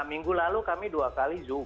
minggu lalu kami dua kali zoom